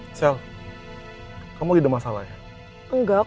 nih fai gue mau pulang